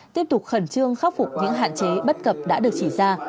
tiếp tục khẩn trương khắc phục những hạn chế bất cập đã được chỉ ra